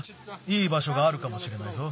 いいばしょがあるかもしれないぞ。